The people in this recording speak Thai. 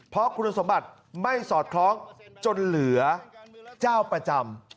เพราะคุณสมบัติไม่สอดคล้องจนเหลือเจ้าประจำ